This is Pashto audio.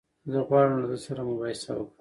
زه غواړم له ده سره مباحثه وکړم.